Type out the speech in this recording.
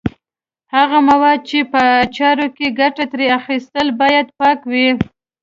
هغه مواد چې په اچارو کې ګټه ترې اخلي باید پاک وي.